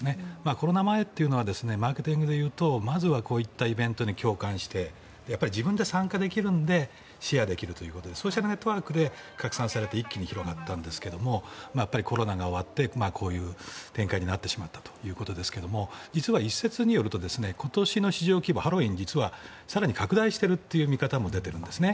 コロナ前というのはマーケティングで言うとまずはこういったイベントに共感してやっぱり自分で参加できるのでシェアできるということでそうしたネットワークで拡散されて一気に広がったんですがコロナが終わってこういう展開になってしまったということですけども実は一説によると今年の市場規模ハロウィーンは実は更に拡大しているという見方も出ているんですね。